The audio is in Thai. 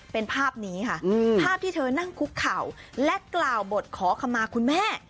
เป็นภาพนี้ค่ะภาพที่เธอนั่งคุกเข่าและกล่าวบทขอคำมาคุณแม่